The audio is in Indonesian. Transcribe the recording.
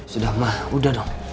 sudah mah udah dong